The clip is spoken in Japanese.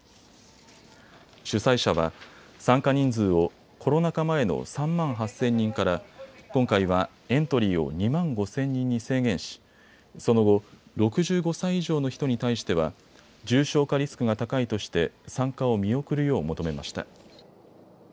主催者は参加人数をコロナ禍前の３万８０００人から今回はエントリーを２万５０００人に制限しその後６５歳以上の人に対しては重症化リスクが高いとして参加を見送るよう求めました。